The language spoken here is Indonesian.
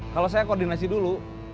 kalau saya koordinasi dulu